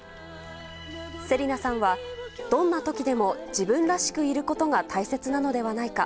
芹奈さんは、どんな時でも自分らしくいることが大切なのではないか。